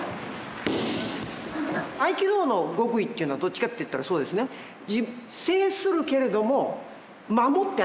合気道の極意っていうのはどっちかっていったらそうですね制するけれども守ってあげなきゃいけない。